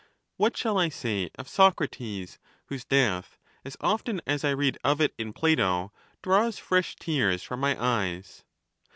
What shall I say of Socrates,' whose death, as often as I read of it in Plato, draws fresh tears from my eyes